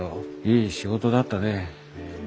いい仕事だったね。